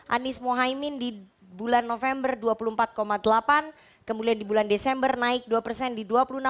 anies mohaimin di bulan november dua puluh empat delapan kemudian di bulan desember naik dua persen di dua puluh enam